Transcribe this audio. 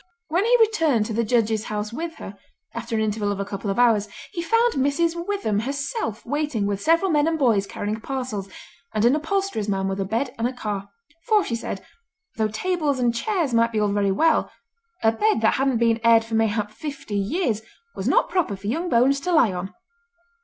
When he returned to the Judge's House with her, after an interval of a couple of hours, he found Mrs. Witham herself waiting with several men and boys carrying parcels, and an upholsterer's man with a bed in a car, for she said, though tables and chairs might be all very well, a bed that hadn't been aired for mayhap fifty years was not proper for young bones to lie on.